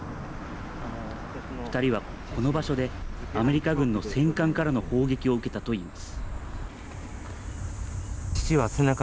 ２人はこの場所で、アメリカ軍の戦艦からの砲撃を受けたといいます。